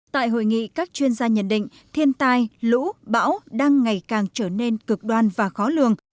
tại hội nghị các chuyên gia nhận định thiên tai lũ bão đang ngày càng trở nên cực đoan và khó lường